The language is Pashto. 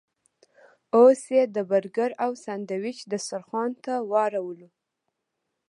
اوس یې د برګر او ساندویچ دسترخوان ته واړولو.